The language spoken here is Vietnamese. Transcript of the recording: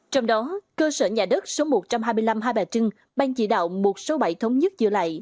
trong đó cơ sở nhà đất số một trăm hai mươi năm hai bà trưng bang chỉ đạo một trăm sáu mươi bảy thống nhất dựa lại